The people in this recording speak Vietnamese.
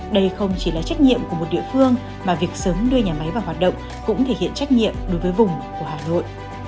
đây không chỉ là trách nhiệm của một địa phương mà việc sớm đưa nhà máy vào hoạt động cũng thể hiện trách nhiệm đối với vùng của hà nội